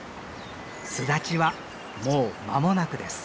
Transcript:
巣立ちはもう間もなくです。